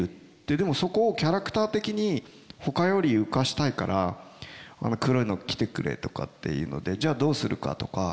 でもそこをキャラクター的にほかより浮かしたいから黒いの着てくれとかっていうのでじゃあどうするかとか。